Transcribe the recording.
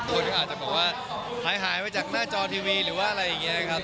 คนก็อาจจะบอกว่าหายไปจากหน้าจอทีวีหรือว่าอะไรอย่างนี้นะครับ